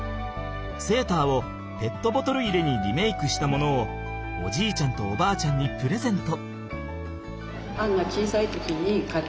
セーターをペットボトル入れにリメイクしたものをおじいちゃんとおばあちゃんにプレゼント。